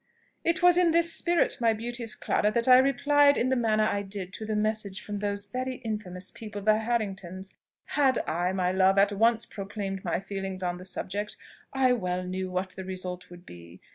It was in this spirit, my beauteous Clara, that I replied in the manner I did to the message from those very infamous people the Harringtons. Had I, my love, at once proclaimed my feelings on the subject, I well knew what the result would be.